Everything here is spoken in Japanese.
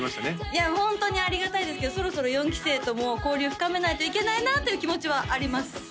いやホントにありがたいですけどそろそろ４期生とも交流深めないといけないなという気持ちはあります